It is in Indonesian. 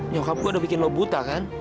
nyokap gue udah bikin lo buta kan